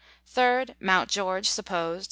3rd. Mount George (supposed), S.